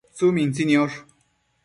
tsumintsi niosh